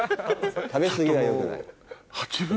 食べ過ぎは良くない。